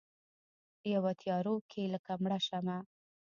یوه تیارو کې لکه مړه شمعه